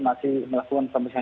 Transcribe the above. masih melakukan pemeriksaan